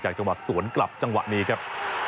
จังหวะสวนกลับจังหวะนี้ครับ